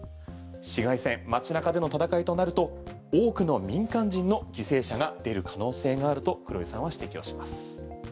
市街戦、街中での戦いとなると多くの民間人の犠牲者が出る可能性があると黒井さんは指摘をします。